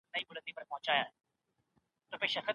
کمپيوټر ډيجېټل مارکېټنګ کوي.